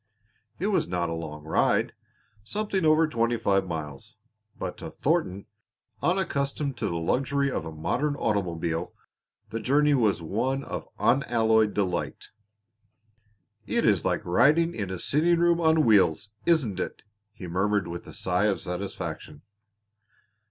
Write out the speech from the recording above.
It was not a long ride something over twenty five miles but to Thornton, unaccustomed to the luxury of a modern automobile, the journey was one of unalloyed delight. "It is like riding in a sitting room on wheels, isn't it?" he murmured with a sigh of satisfaction.